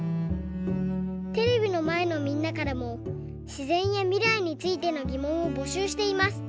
テレビのまえのみんなからもしぜんやみらいについてのぎもんをぼしゅうしています。